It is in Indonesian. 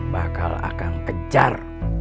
bakal akang kejar